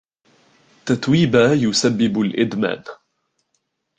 تتويبا يسبب الإدمان.